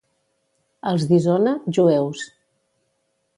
Els d'Isona, jueus.